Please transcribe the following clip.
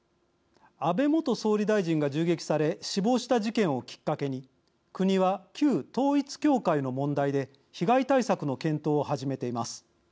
安倍元総理大臣が銃撃され死亡した事件をきっかけに国は旧統一教会の問題で被害対策の検討を始めています。